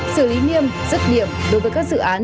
xử lý nghiêm dứt điểm đối với các dự án